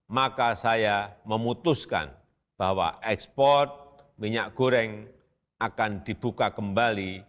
maka saya memutuskan bahwa ekspor minyak goreng akan dibuka kembali